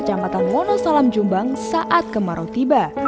jampatan wonosalam jombang saat kemarau tiba